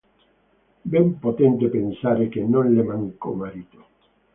Ben potete pensare che non le mancò marito.